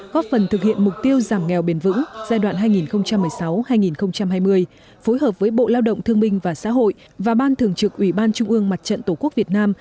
góp phần thực hiện mục tiêu giảm nghèo bền vững giai đoạn hai nghìn một mươi sáu hai nghìn hai mươi phối hợp với bộ lao động thương minh và xã hội và ban thường trực ủy ban trung ương mặt trận tổ quốc việt nam